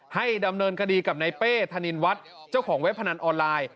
ให้ดำเนินคดีกับในเป้ธนินวัฒน์เจ้าของเว็บพนันออนไลน์